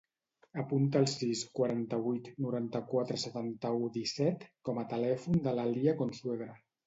Apunta el sis, quaranta-vuit, noranta-quatre, setanta-u, disset com a telèfon de l'Alia Consuegra.